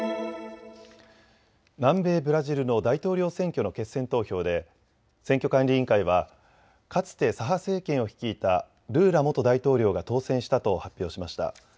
南米ブラジルの大統領選挙の決選投票で選挙管理委員会はかつて左派政権を率いたルーラ元大統領が当選したと発表しました。